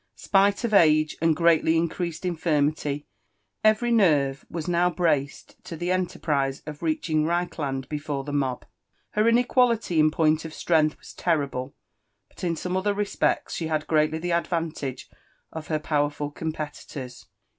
Spilf ^f age and grpally increased infirmity, every nerve was now braced to \hQ eolerprise of reaching Reichlaad tefore the mob. Qer ioeqiiatity ^n paipt of strength was lorrilile, but in some otbti respeota aUo \^ ir^atly the advantage of her powerful oompeiitora.